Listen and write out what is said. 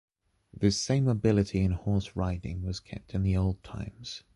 This same ability in horse riding was kept in the old times.